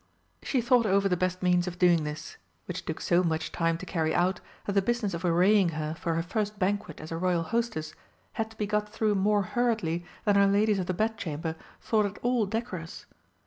She thought over the best means of doing this, which took so much time to carry out that the business of arraying her for her first banquet as a Royal Hostess had to be got through more hurriedly than her ladies of the Bedchamber thought at all decorous.